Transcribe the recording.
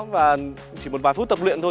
và chỉ một vài phút tập luyện thôi